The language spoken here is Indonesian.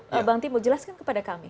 pak bang timur jelaskan kepada kami